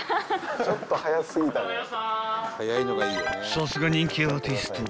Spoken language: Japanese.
［さすが人気アーティスト］